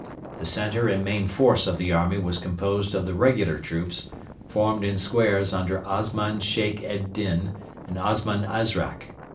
The centre and main force of the army was composed of the regular troops, formed in squares under Osman Sheikh ed Din and Osman Azrak.